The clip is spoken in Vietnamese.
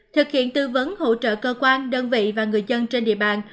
thực hiện tư vấn hỗ trợ cơ quan đơn vị và người dân trên địa bàn